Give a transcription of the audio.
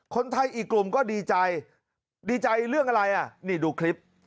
คนไทยอีกกลุ่มก็ดีใจดีใจเรื่องอะไรอ่ะนี่ดูคลิป